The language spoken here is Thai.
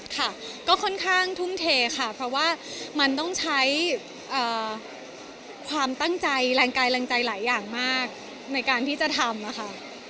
ค่ะก็ค่อนข้างทุ่มเทค่ะเพราะว่ามันต้องใช้ความตั้งใจแรงกายแรงใจหลายอย่างมากในการที่จะทำค่ะ